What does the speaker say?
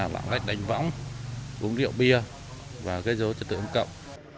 lãng lãnh đánh võng uống rượu bia và gây dấu trật tự ứng cộng